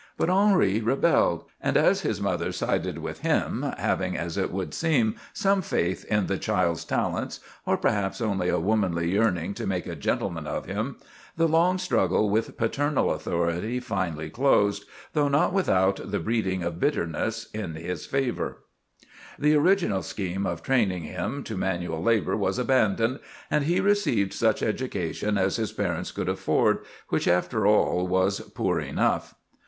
But Henri rebelled; and as his mother sided with him, having, as it would seem, some faith in the child's talents, or perhaps only a womanly yearning to make a gentleman of him, the long struggle with paternal authority finally closed, though not without the breeding of bitterness, in his favor. The original scheme of training him to manual labor was abandoned, and he received such education as his parents could afford, which, after all, was poor enough.